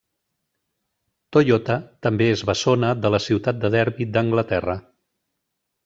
Toyota també és bessona de la ciutat de Derby d'Anglaterra.